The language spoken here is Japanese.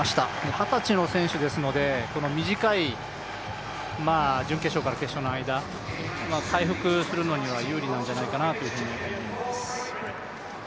二十歳の選手ですので短い準決勝から決勝の間、回復するのには有利なんじゃないかなと思います。